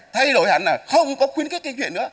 thay đổi hẳn là không có khuyến khích kinh chuyện nữa